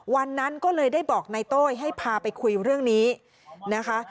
วันนั้นก็เลยได้บอกนายโต้ยให้พาไปคุยเรื่องนี้นะคะ